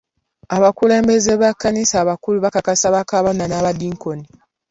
Abakulembeze b'ekkanisa abakulu bakakasa ba Kabona n'abadinkoni.